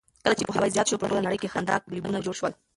کله چې پوهاوی زیات شو، په ټوله نړۍ کې خندا کلبونه جوړ شول.